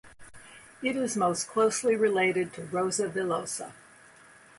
It is most closely related to "Rosa villosa".